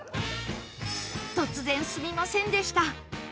突然すみませんでした